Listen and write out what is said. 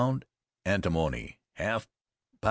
antimony, half lb.